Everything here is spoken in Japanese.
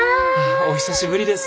お久しぶりです。